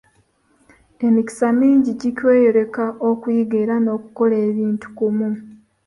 Emikisa mingi gikweyoleka okuyiga era n'okukola ebintu nkumu.